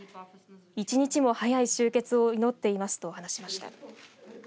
１日も早い終結を祈っていますと話しました。